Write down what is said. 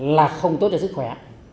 là không tốt cho sức khỏe